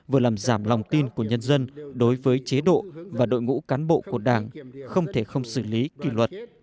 vừa làm giảm lòng tin của nhân dân đối với chế độ và đội ngũ cán bộ của đảng không thể không xử lý kỷ luật